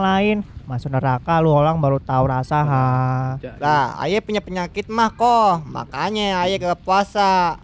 lain masuk neraka lu orang baru tahu rasanya lah ayo punya penyakit mah kok makanya ayo ke puasa